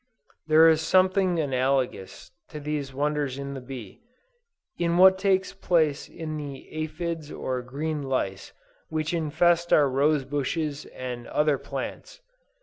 There is something analogous to these wonders in the bee, in what takes place in the aphides or green lice which infest our rose bushes and other plants.